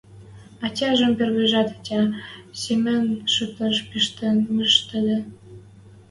Ӓтяжӹм первижӓт ӓтя семӹнь шотеш пиштен мыштыде.